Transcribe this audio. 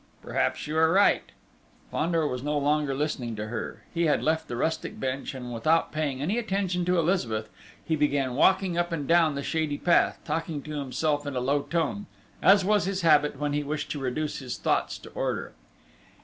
"Perhaps you are right!" Fandor was no longer listening to her. He had left the rustic bench, and without paying any attention to Elizabeth, he began walking up and down the shady path, talking to himself in a low tone, as was his habit when he wished to reduce his thoughts to order.